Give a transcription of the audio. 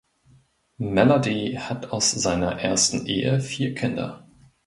Melody hat aus seiner ersten Ehe vier Kinder.